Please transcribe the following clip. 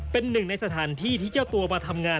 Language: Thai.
เป็นหนึ่งในสถานที่ที่เจ้าตัวมาทำงาน